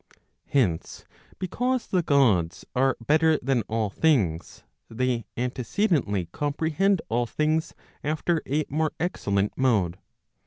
Hence, because the Gods are better than all things, they antece* dently comprehend all things after a more excellent mode.